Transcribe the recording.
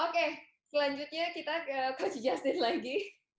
oke selanjutnya kita ke coach justin lagi